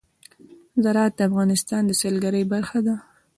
زراعت د افغانستان د سیلګرۍ برخه ده.